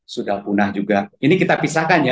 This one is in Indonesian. sudah punah juga ini kita pisahkan ya